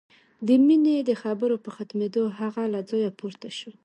د مينې د خبرو په ختمېدو هغه له ځايه پورته شو.